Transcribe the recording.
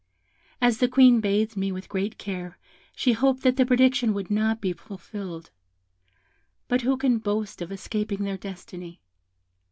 As the Queen bathed me with great care, she hoped that the prediction would not be fulfilled. But who can boast of escaping their destiny?